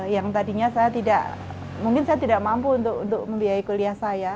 yang tadinya saya tidak mungkin saya tidak mampu untuk membiayai kuliah saya